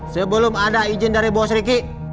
sebelum ada izin dari bos ricky